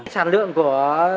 sản lượng của